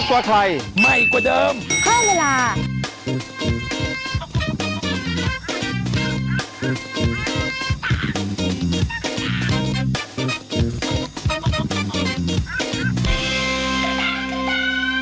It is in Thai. ก็ได้ก็ได้